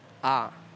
ああ。